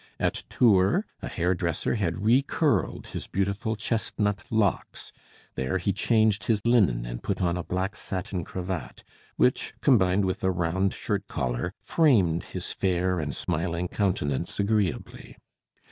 At Tours a hairdresser had re curled his beautiful chestnut locks; there he changed his linen and put on a black satin cravat, which, combined with a round shirt collar, framed his fair and smiling countenance agreeably.